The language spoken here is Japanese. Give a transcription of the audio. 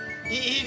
いい！